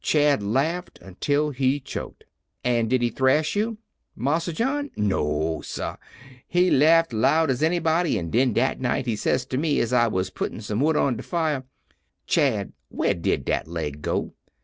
Chad laughed until he choked. "And did he thrash you?" "Marsa John? No, sah. He laughed loud as anybody; an' den dat night he says to me as I was puttin' some wood on de fire: "'Chad, where did dat leg go?'